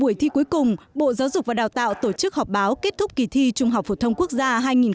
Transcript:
trong buổi thi cuối cùng bộ giáo dục và đào tạo tổ chức họp báo kết thúc kỳ thi trung học phổ thông quốc gia hai nghìn một mươi chín